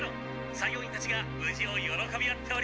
作業員たちが無事を喜び合っております。